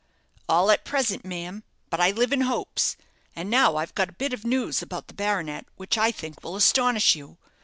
"All at present, ma'am; but I live in hopes. And now I've got a bit of news about the baronet, which I think will astonish you.